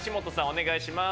お願いします。